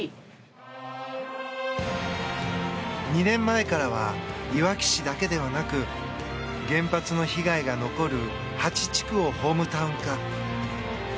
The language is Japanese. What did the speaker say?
２年前からはいわき市だけではなく原発の被害が残る８地区をホームタウン化。